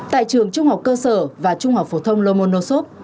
tại trường trung học cơ sở và trung học phổ thông lomonosov